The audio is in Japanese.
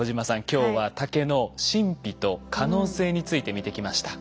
今日は竹の神秘と可能性について見てきました。